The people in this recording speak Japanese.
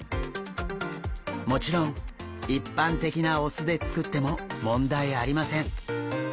もちろん一般的なお酢で作っても問題ありません。